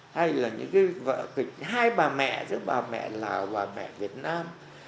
hay là những cái vợ kịch hai bà mẹ giữa bà mẹ là bà mẹ việt nam